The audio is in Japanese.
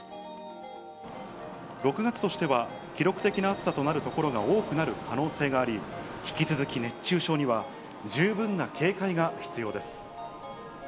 ６月としては記録的な暑さとなる所が多くなる可能性があり、引き続き熱中症には十分な警戒が必要です。